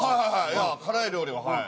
いや辛い料理ははい。